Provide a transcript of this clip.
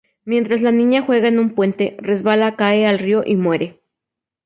Mientras la niña juega en un puente, resbala, cae al río y muere.